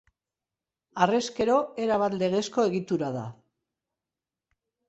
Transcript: Harrezkero erabat legezko egitura da.